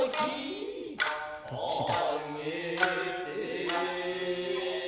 どっちだ？